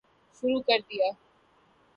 شروع کردیا